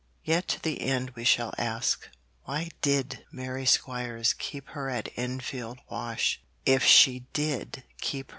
Yet to the end we shall ask, why did Mary Squires keep her at Enfield Wash if she did keep her?